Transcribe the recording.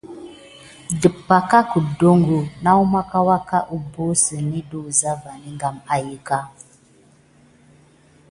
Depakè kedoho maku aka keɓosukni de wuza kam kin tät.